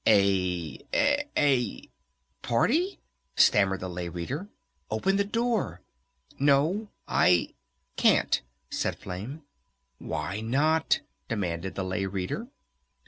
"A a party?" stammered the Lay Reader. "Open the door!" "No, I can't," said Flame. "Why not?" demanded the Lay Reader.